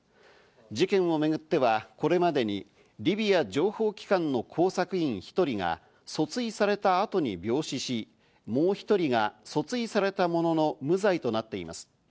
事件をめぐっては、これまでにリビア情報機関の工作員１人が訴追された後に病死し、もう１人が訴追されたものの、無罪となっています。